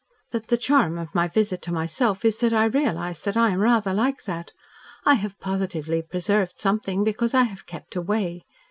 "That the charm of my visit, to myself, is that I realise that I am rather like that. I have positively preserved something because I have kept away.